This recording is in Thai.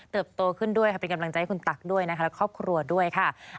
โตขึ้นด้วยค่ะเป็นกำลังใจให้คุณตักด้วยนะคะและครอบครัวด้วยค่ะ